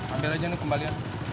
ambil aja nih kembalian